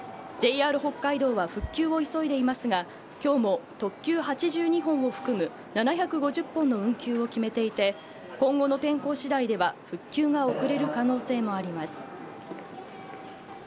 ＪＲ北海道は復旧を急いでいますが、きょうも特急８２本を含む７５０本の運休を決めていて、今後の天候次第では復旧が遅れる可能性もあります。